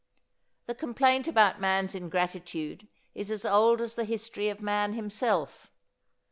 The complaint about man's ingratitude is as old as the history of man himself.